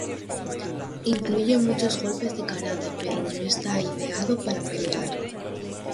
Incluye muchos golpes de karate, pero no está ideado para pelear.